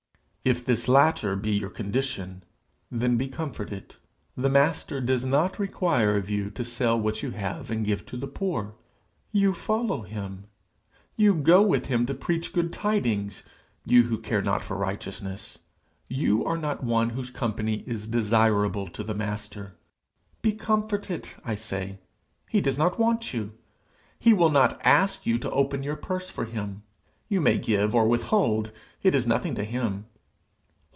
If this latter be your condition, then be comforted; the Master does not require of you to sell what you have and give to the poor. You follow him! You go with him to preach good tidings! you who care not for righteousness! You are not one whose company is desirable to the Master. Be comforted, I say: he does not want you; he will not ask you to open your purse for him; you may give or withhold; it is nothing to him.